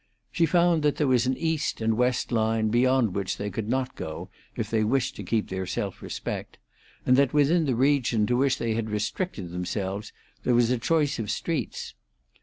She found that there was an east and west line beyond which they could not go if they wished to keep their self respect, and that within the region to which they had restricted themselves there was a choice of streets.